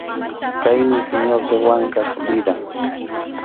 Khaynam Señor de Wankap vidan.